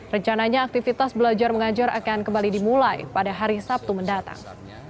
rencananya aktivitas belajar mengajar akan kembali dimulai pada hari sabtu mendatang